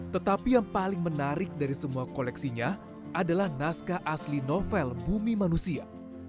tetapi yang paling menarik dari semua koleksinya adalah naskah asli novel bumi manusia